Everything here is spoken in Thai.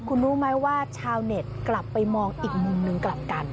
คุณรู้ไหมว่าชาวเน็ตกลับไปมองอีกมุมหนึ่งกลับกัน